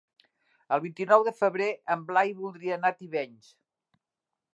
El vint-i-nou de febrer en Blai voldria anar a Tivenys.